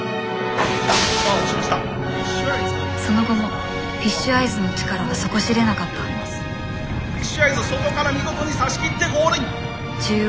その後もフィッシュアイズの力は底知れなかったフィッシュアイズ外から見事に差し切ってゴールイン！